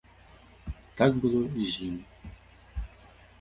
Так было і з ім.